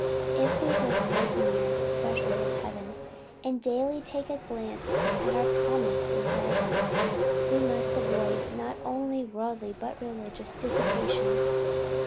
If we would live near the threshold of Heaven, and daily take a glance at our promised inheritance we must avoid not only worldly, but religious dissipation.